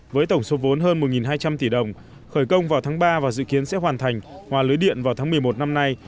với tổng số vốn hơn một hai trăm linh tỷ đồng khởi công vào tháng ba và dự kiến sẽ hoàn thành hòa lưới điện vào tháng một mươi một năm nay